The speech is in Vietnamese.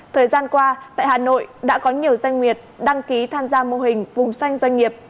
thời gian qua tại hà nội đã có nhiều doanh nghiệp đăng ký tham gia mô hình vùng xanh doanh nghiệp